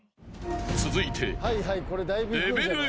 ［続いて］